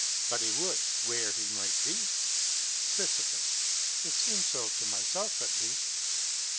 But he would, where he might be. Sis. It seems so to myself at least.